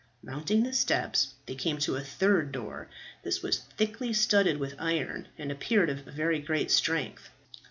Mounting the steps, they came to a third door; this was thickly studded with iron, and appeared of very great strength.